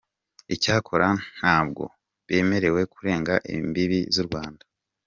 Icyakora ntabwo bemerewe kurenga imbibi z’u Rwanda.